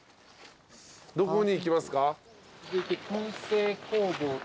どこに行きますか？